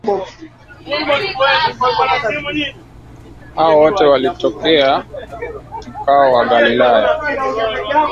Hao wote walitokea mkoa wa Galilaya